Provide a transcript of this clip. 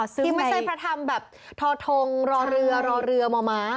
ที่ไม่ใช่พระธรรมแบบทอทงรอเรือรอเรือม้า